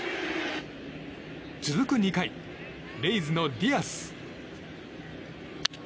続く２回、レイズのディアス。